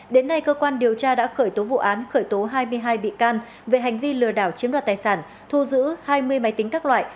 đến nay cơ quan điều tra đã khởi tố vụ án khởi tố hai mươi hai bị can về hành vi lừa đảo chiếm đoạt tài sản thu giữ hai mươi máy tính các loại